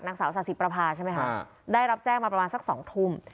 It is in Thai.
นางสาวสาธิประพาใช่ไหมคะได้รับแจ้งมาประมาณสัก๒ทุ่ม